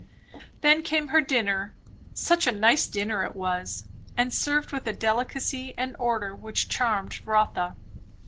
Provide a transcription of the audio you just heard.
Then came her dinner. Such a nice dinner it was; and served with a delicacy and order which charmed Rotha.